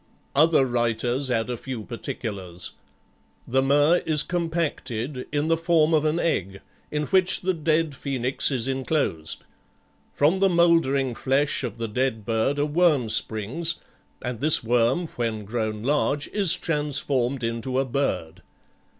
Other writers add a few particulars. The myrrh is compacted in the form of an egg, in which the dead Phoenix is enclosed. From the mouldering flesh of the dead bird a worm springs, and this worm, when grown large, is transformed into a bird.